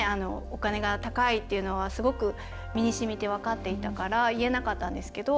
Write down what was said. お金が高いっていうのはすごく身にしみて分かっていたから言えなかったんですけど。